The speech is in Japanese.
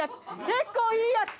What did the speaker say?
結構いいやつ。